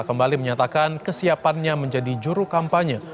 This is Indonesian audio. kembali menyatakan kesiapannya menjadi juru kampanye